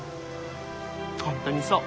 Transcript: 本当にそう。